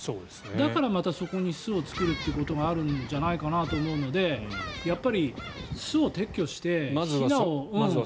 だから、またそこに巣を作るということがあるんじゃないかなと思うのでやっぱり、巣を撤去してひなを。